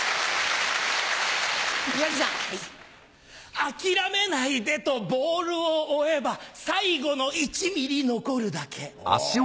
諦めないでとボールを追えば最後の１ｍｍ残るだけ。